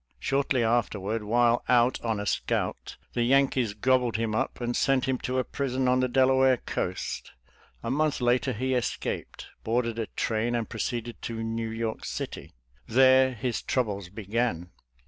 Shortly afterward, while out 'on a scout, the Yankees gobbled him up' audi sent him to a prison on the Delaware coast.' A month later he escaped, boarded a train, and proceeded to New York City. There his troubles began.